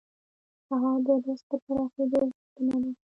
سهار د رزق د پراخېدو غوښتنه ده.